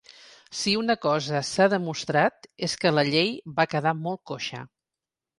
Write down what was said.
Si una cosa s’ha demostrat és que la llei va quedar molt coixa.